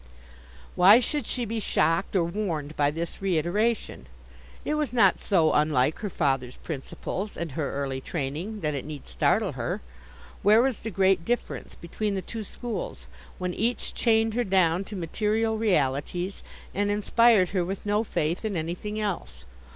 Why should she be shocked or warned by this reiteration? It was not so unlike her father's principles, and her early training, that it need startle her. Where was the great difference between the two schools, when each chained her down to material realities, and inspired her with no faith in anything else?